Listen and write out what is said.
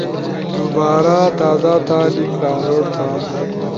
دوبارا تازا تھا، لنک ڈاونلوڈ تھا